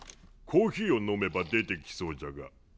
コーヒーを飲めば出てきそうじゃが。